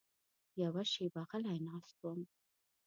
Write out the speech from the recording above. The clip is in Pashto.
یوه شېبه غلی ناست وم.